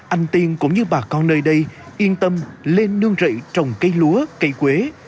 anh tiên cũng như bà con nơi đây yên tâm lên nương rẫy trồng cây lúa cây quế